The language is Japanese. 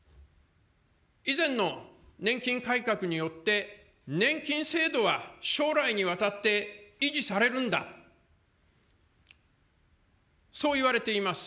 以前の年金改革によって、年金制度は将来にわたって維持されるんだ、そういわれています。